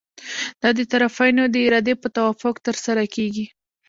دا د طرفینو د ارادې په توافق ترسره کیږي.